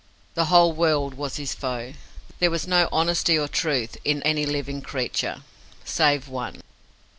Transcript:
The whole world was his foe: there was no honesty or truth in any living creature save one.